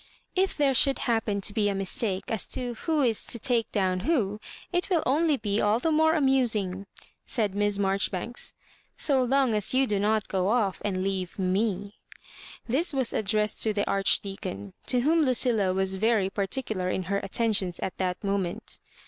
" If there should happen to be a mis take as to who is to take down who, it will only be all the more amusing," said Miss Marjori banks, " so long as you do not go off and leave me," This was addressed to the Archdeacon, to whom Lucilla was very particular in her atten .tions at that moment.